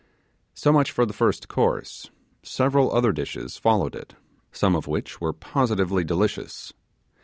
So much for the first course; several other dishes followed it, some of which were positively delicious.